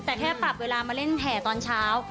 แต่แค่ปรับเวลามาเล่นแผ่ตอนเช้า